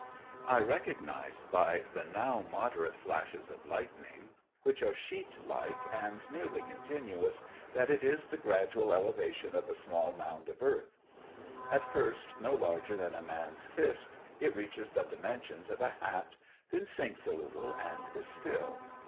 I recognize by the now moderate flashes of lightning, which are sheet like and nearly continuous, that it is the gradual elevation of a small mound of earth. At first no larger than a man's fist it reaches the dimensions of a hat, then sinks a little and is still.